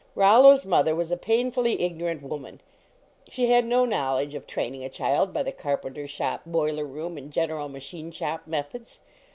Rollo s mother was a painfully ignorant 16 LEARNING TO BREATH F woman. She had no knowledge of training a child by the carpenter shop, boiler room, and general machine shop methods.